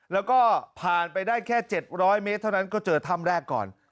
แล้วก็ผ่านไปได้แค่๗๐๐เมตรเท่านั้นก็เจอถ้ำแรกก่อน